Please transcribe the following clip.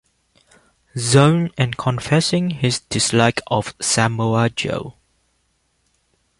Zone and confessing his dislike of Samoa Joe.